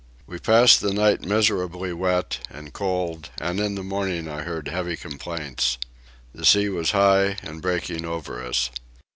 We passed the night miserably wet and cold and in the morning I heard heavy complaints. The sea was high and breaking over us.